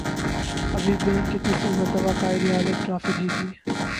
حبیب بینک نے تیسری مرتبہ قائد اعظم ٹرافی جیت لی